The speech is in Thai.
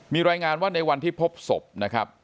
มีรายงานว่าในวันที่พบศพนะครับ